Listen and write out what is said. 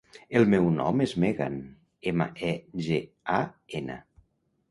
El meu nom és Megan: ema, e, ge, a, ena.